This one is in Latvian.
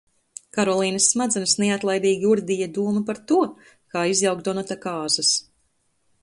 Karolīnas smadzenes neatlaidīgi urdīja doma par to, kā izjaukt Donata kāzas.